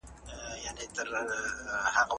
ټولنیز نهادونه د چلند د لارښوونې سرچینه دي.